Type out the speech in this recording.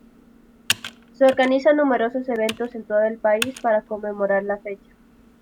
Se organizan numerosos eventos en todo el país para conmemorar la fecha.